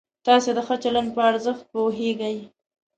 تاسې د ښه چلند په ارزښت پوهېدئ؟